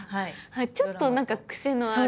ちょっと何かクセのある。